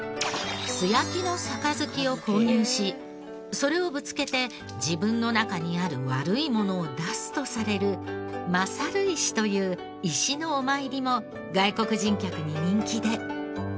素焼きの盃を購入しそれをぶつけて自分の中にある悪いものを出すとされる魔去る石という石のお参りも外国人客に人気で。